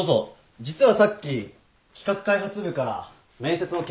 実はさっき企画開発部から面接の結果が届いて。